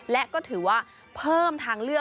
และก็ถือว่าเพิ่มทางเลือก